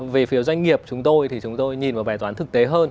về phiếu doanh nghiệp chúng tôi thì chúng tôi nhìn vào bài toán thực tế hơn